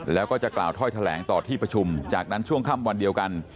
แล้วก็จะกล่าวถ้อยแถลงต่อที่ประชุมจากนั้นช่วงค่ำวันเดียวกัน